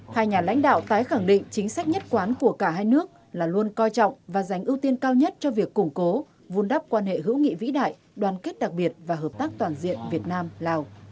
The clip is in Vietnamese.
chuyến thức của chủ tịch nước võ văn thưởng nhằm khẳng định đảng và nhà nước việt nam luôn trước sau như một coi trọng và giành ưu tiên cao nhất cho việc củng cố và vun đắp mối quan hệ hữu nghị vĩ đại đoàn kết đặc biệt và hợp tác toàn diện việt nam lào